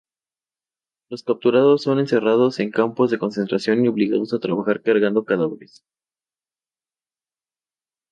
Los capturados son encerrados en campos de concentración y obligados a trabajar cargando cadáveres.